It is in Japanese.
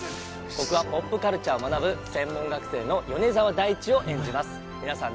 僕はポップカルチャーを学ぶ専門学生の米澤大地を演じます皆さん